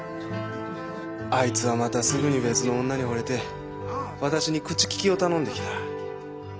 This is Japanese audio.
あいつはまたすぐに別の女にほれて私に口利きを頼んできた。